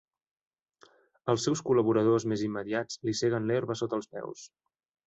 Els seus col·laboradors més immediats li seguen l'herba sota els peus.